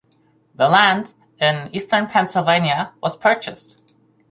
The land (in Eastern Pennsylvania) was purchased.